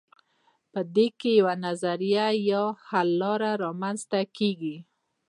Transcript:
په دې کې یوه نظریه یا حل لاره رامیینځته کیږي.